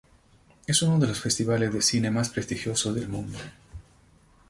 Es uno de los festivales de cine más prestigiosos del mundo.